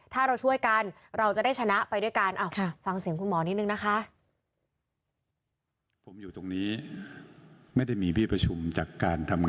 ถ้าเราช่วยกันเราจะได้ชนะไปด้วยกัน